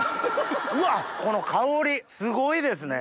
うわこの香りすごいですね。